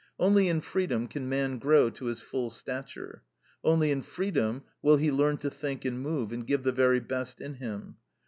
Only in freedom can man grow to his full stature. Only in freedom will he learn to think and move, and give the very best in him.